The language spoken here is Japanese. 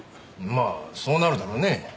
まあそうなるだろうね。